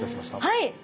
はい。